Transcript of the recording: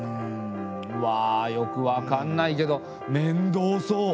うわよくわかんないけどめんどうそう。